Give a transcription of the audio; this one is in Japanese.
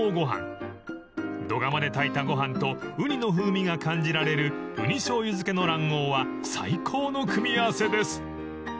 ［土釜で炊いたご飯とウニの風味が感じられるうにしょうゆ漬けの卵黄は最高の組み合わせです］